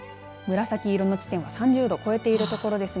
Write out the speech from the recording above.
紫色の地点は３０度を超えています。